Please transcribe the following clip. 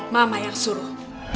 mama yang suruh